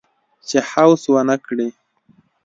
چې هوس ونه کړي